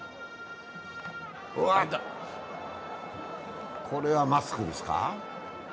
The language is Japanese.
うわ、これはマスクですか。